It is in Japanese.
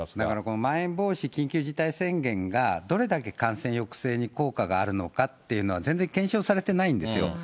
だからこのまん延防止、緊急事態宣言がどれだけ感染抑制に効果があるのかっていうのは、全然検証されてないんですよ。